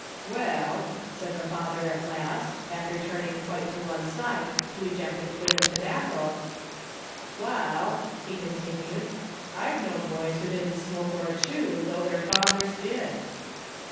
" Wall," the father said at last, after turning quite to one side to eject a quid of tobacco, " wall," he con tinued, "I've known boys who didn't smoke or chew, though their fathers did